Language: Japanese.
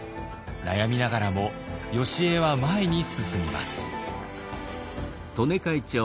悩みながらもよしえは前に進みます。